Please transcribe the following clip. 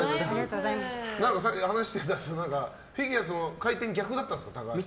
さっき話してたけどフィギュアと回転が逆だったんですか、高橋さん。